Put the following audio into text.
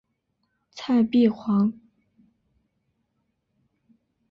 蔡璧煌。